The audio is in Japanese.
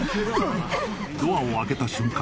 ドアを開けた瞬間